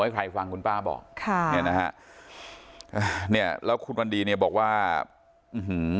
ให้ใครฟังคุณป้าบอกค่ะเนี่ยนะฮะอ่าเนี่ยแล้วคุณวันดีเนี่ยบอกว่าอื้อหือ